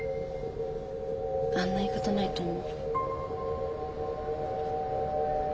あんな言い方ないと思う。